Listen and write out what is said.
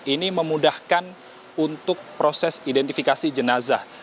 ini memudahkan untuk proses identifikasi jenazah